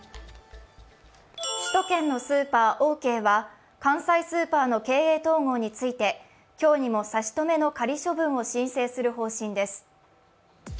首都圏のスーパー、オーケーは関西スーパーの経営統合について、今日にも差し止めの仮処分を申請する方針です。